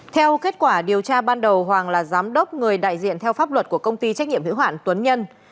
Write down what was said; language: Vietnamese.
theo kết quả điều tra ban đầu hoàng là giám đốc người đại diện theo pháp luật của công ty trách nhiệm hữu hoạn tuấn nhân